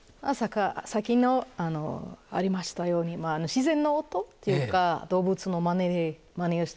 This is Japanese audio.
さっきもありましたように自然の音っていうか動物のまねをしたりとか。